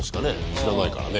知らないからね。